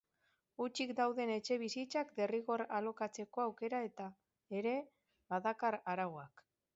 Hutsik dauden etxebizitzak derrigor alokatzeko aukera ere badakar arauak.